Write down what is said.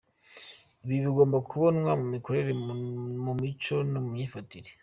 Ibi bigomba kubonwa mu mikorere, mu mico no ku myifatire.